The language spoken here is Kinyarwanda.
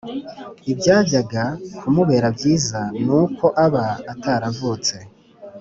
ibyajyaga kumubera byiza ni uko aba ataravutse.”